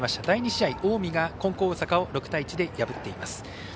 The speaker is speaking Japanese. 第２試合、近江が金光大阪を６対１で破っています。